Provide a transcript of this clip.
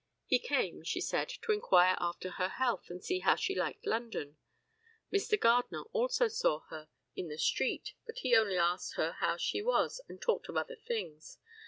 He came, she said, to inquire after her health and see how she liked London. Mr. Gardner also saw her in the street, but he only asked her how she was and talked of other things.